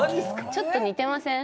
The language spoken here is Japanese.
ちょっと似てません？